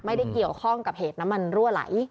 ไม่ได้เกี่ยวข้องกับเหตุน้ำมันรั่วไหล